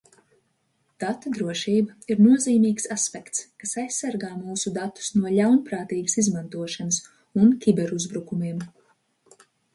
Datoru drošība ir nozīmīgs aspekts, kas aizsargā mūsu datus no ļaunprātīgas izmantošanas un kiberuzbrukumiem.